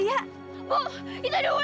dia benci banget sama ular